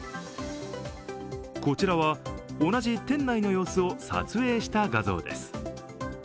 こちらは同じ店内の様子を撮影した画像です。